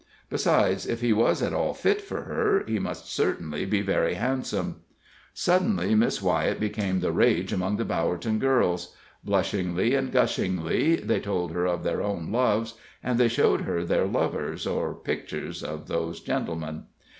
Besides, if he was at all fit for her, he must certainly be very handsome. Suddenly Miss Wyett became the rage among the Bowerton girls. Blushingly and gushingly they told her of their own loves, and they showed her their lovers, or pictures of those gentlemen.